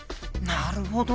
なるほど。